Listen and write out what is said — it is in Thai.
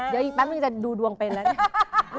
เดี๋ยวอีกแป๊บนึงจะดูดวงเป็นแล้วเนี่ย